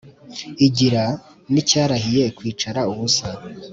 igira n' icyarahiye kwicara ubusa,